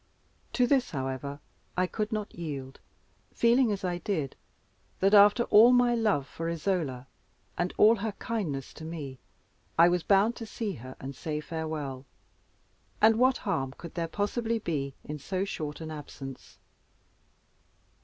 To this, however, I could not yield, feeling, as I did, that, after all my love for Isola, and all her kindness to me, I was bound to see her and say farewell; and what harm could there possibly be in so short an absence?